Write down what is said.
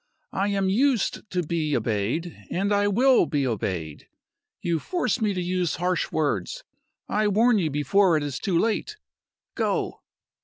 I am used to be obeyed, and I will be obeyed. You force me to use hard words. I warn you before it is too late. Go!"